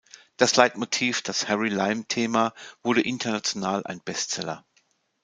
Das Leitmotiv, das „Harry-Lime-Thema“, wurde international ein Bestseller.